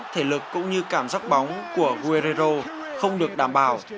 thể lực cũng như cảm giác bóng của werrero không được đảm bảo